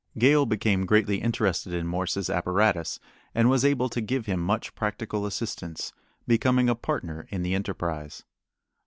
Gale became greatly interested in Morse's apparatus, and was able to give him much practical assistance, becoming a partner in the enterprise.